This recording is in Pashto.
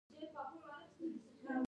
د حیواناتو مناسب کور ساتنه مهمه ده.